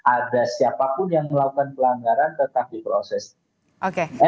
ada siapapun yang melakukan pelanggaran tetap diproses